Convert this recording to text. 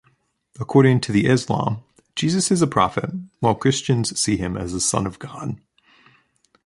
According to the Islam, Jesus is a prophet while Christians see him as the son of God.